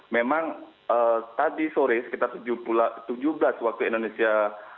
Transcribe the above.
memang tadi sore sekitar tujuh belas waktu indonesia